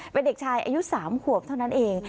เป็นเด็กชายอายุ๓ขวบเท่านั้นเอง